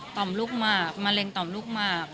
มลูกมากมะเร็งต่อมลูกมาก